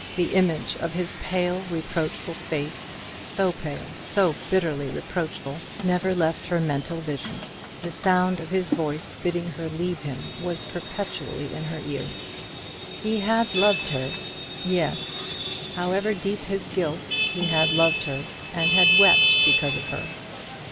The image of his pale reproachful face so pale, so bitterly reproachful never left her mental vision. The sound of his voice bidding her leave him was perpetually in her ears. He had loved her: yes; however deep his guilt, he had loved her, and had wept because of her.